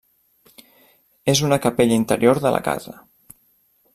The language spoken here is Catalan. És una capella interior de la casa.